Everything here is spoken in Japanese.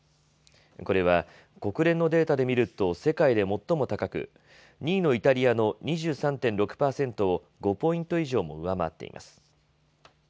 これは国連のデータで見ると世界で最も高く、２位のイタリアの２３．６％を５ポイント以上も上回っています。